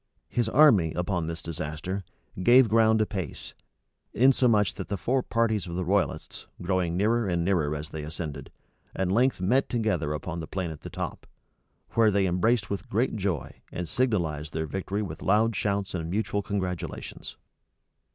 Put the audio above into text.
His army, upon this disaster, gave ground apace; insomuch that the four parties of the royalists, growing nearer and nearer as they ascended, at length met together upon the plain at the top; where they embraced with great joy, and signalized their victory with loud shouts and mutual congratulations.